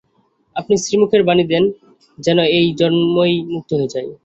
আপনি শ্রীমুখের বাণী দিন, যেন এই জন্মেই মুক্ত হয়ে যাই।